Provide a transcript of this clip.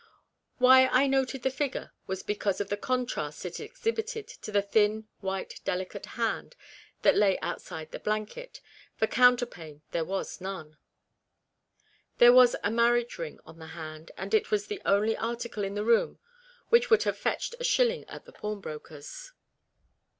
Why I noted the finger was because of the contrast it exhibited to the thin, white, delicate hand that lay outside the blanket, for counter 208 REBECCAS REMORSE. pane there was none. There was a marriage ring on the hand, and it was the only article in the room which would have fetched a shil ling at the pawnbroker's.